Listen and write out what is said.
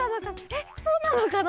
えっそうなのかな？